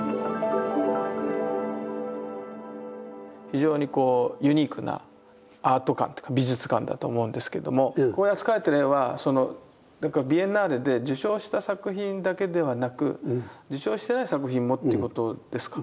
非常にこうユニークなアート館というか美術館だと思うんですけどもここで扱われてる絵はビエンナーレで受賞した作品だけではなく受賞してない作品もってことですか？